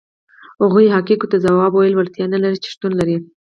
هغو حقایقو ته ځواب ویلو وړتیا نه لري چې شتون لري.